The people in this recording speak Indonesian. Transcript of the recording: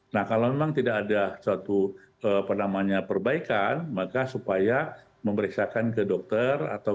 nah kalau memang tidak ada suatu penamanya perbaikan maka supaya memeriksakan ke dokter